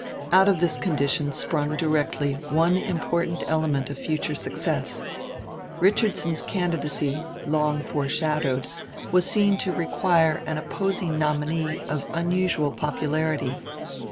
Out of this condition sprung directly one important element of future success. Richardson's candidacy, long foreshadowed, was seen to require an opposing nominee of unusual popularity.